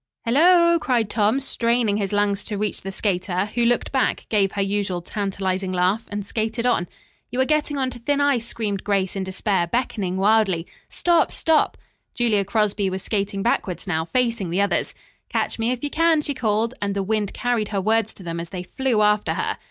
"Hello o!" cried Tom, straining his lungs to reach the skater, who looked back, gave her usual tantalizing laugh and skated on. "You are getting onto thin ice," screamed Grace in despair, beckoning wildly. "Stop! Stop!" Julia Crosby was skating backwards now, facing the others. "Catch me if you can," she called, and the wind carried her words to them as they flew after her.